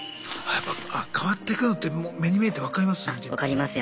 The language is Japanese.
あやっぱ変わってくのって目に見えて分かります？